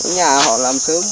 nhà họ làm sớm